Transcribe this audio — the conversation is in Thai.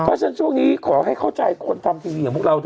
เพราะฉะนั้นช่วงนี้ขอให้เข้าใจคนทำทีวีของพวกเราเ